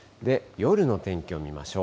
夜の天気を見ましょう。